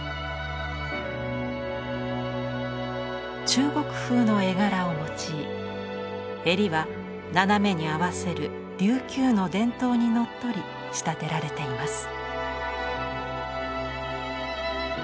中国風の絵柄を用い襟は斜めに合わせる琉球の伝統にのっとり仕立てられています。